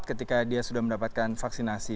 ketika dia sudah mendapatkan vaksinasi